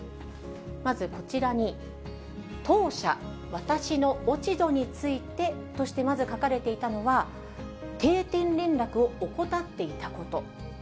まずこちらに、当社、私の落ち度についてとしてまず書かれていたのは、定点連絡を怠っていたこと。